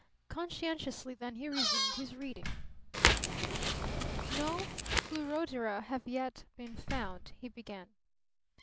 Conscientiously then he resumed his reading. "No Pleurodira have yet been found," he began.